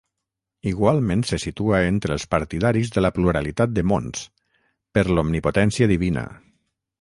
Igualment se situa entre els partidaris de la pluralitat de mons, per l'omnipotència divina.